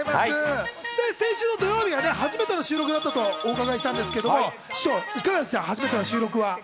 先週土曜日が初めての収録だったとお伺いしたんですけどいかがですか？